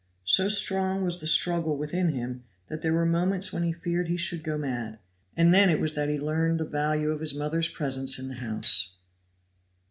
So strong was the struggle within him, that there were moments when he feared he should go mad; and then it was that he learned the value of his mother's presence in the house.